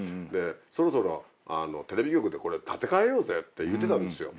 そろそろテレビ局で「これ建て替えようぜ」って言ってたんですよ。